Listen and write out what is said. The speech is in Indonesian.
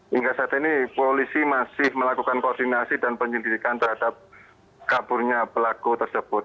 hingga saat ini polisi masih melakukan koordinasi dan penyelidikan terhadap kaburnya pelaku tersebut